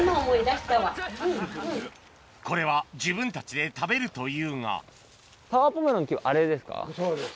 これは自分たちで食べるというがそうです。